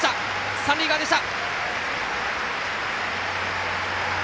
三塁側でした。